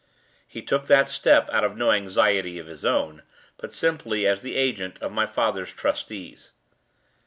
He took that step out of no anxiety of his own, but simply as the agent of my father's trustees.